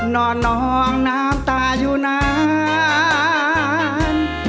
นอนนองน้ำตาอยู่นาน